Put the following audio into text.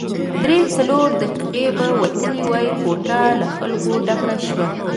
درې څلور دقیقې به وتلې وې، کوټه له خلکو ډکه شوه.